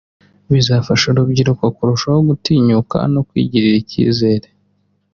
Bizafasha urubyiruko kurushaho gutinyuka no kwigirira icyizere